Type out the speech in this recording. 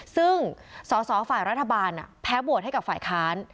ซึ่งสอสอฝ่ายรัฐบาลแพ้โหวตให้กับฝ่ายค้าน